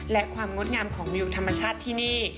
และความงดงามของวิวธรรมชาติที่นี่